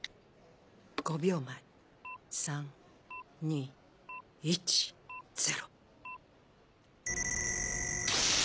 ５秒前３・２・１・０。